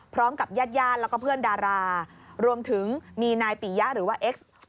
พร้อมกับญาติยาดและเพื่อนดารารวมถึงนายปิ๊ยะหรือว่าเอกส์วิมุกตายน